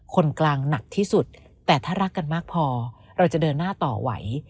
คนกลางหนักที่สุดแต่ถ้ารักกันมากพอเราจะเดินหน้าต่อไหว